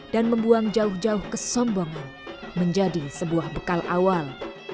dan membuang jauh jauh kesombongan menjadi sebuah bekal awal